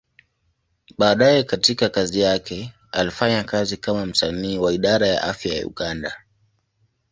Baadaye katika kazi yake, alifanya kazi kama msanii wa Idara ya Afya ya Uganda.